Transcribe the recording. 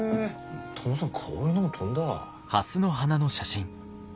トムさんこういうのも撮んだ。